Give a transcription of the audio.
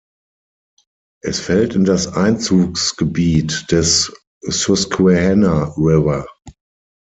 Es fällt in das Einzugsgebiet des Susquehanna River.